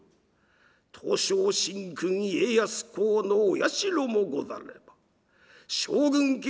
東照神君家康公のお社もござれば将軍家